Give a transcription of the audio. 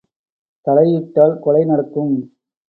தலையிட்டால் கொலை நடக்கும்!